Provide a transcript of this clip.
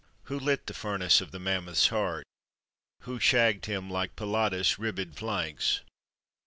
Who lit the furnace of the mammoth's heart? Who shagged him like Pilatus' ribbèd flanks?